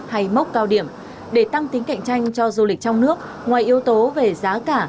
hay mốc cao điểm để tăng tính cạnh tranh cho du lịch trong nước ngoài yếu tố về giá cả